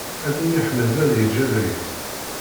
Ad imyeḥmaẓ ad yeǧǧ abrid.